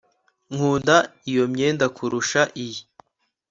Nkunda iyo myenda kurusha iyi